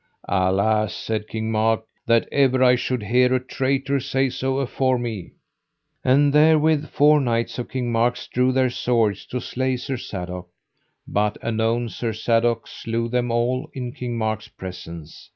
Alas, said King Mark, that ever I should hear a traitor say so afore me. And therewith four knights of King Mark's drew their swords to slay Sir Sadok, but anon Sir Sadok slew them all in King Mark's presence.